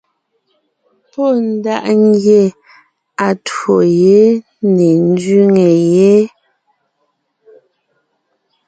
Pɔ́ ndaʼ ngie atwó yé ne ńzẅíŋe yé.